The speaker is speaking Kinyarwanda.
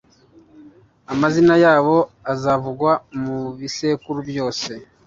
amazina yabo azavugwa mu bisekuru byose